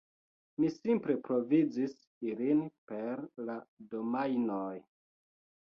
Mi simple provizis ilin per la domajnoj.